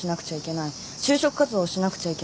就職活動をしなくちゃいけない。